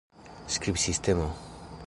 skribsistemo